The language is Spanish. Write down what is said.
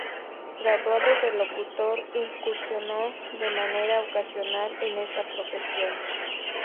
Graduado de locutor, incursionó de manera ocasional en esta profesión.